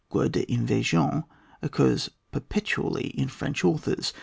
— Guerre d* invasion occurs perpetually in French authors.